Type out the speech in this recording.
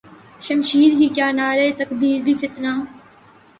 شمشیر ہی کیا نعرہ تکبیر بھی فتنہ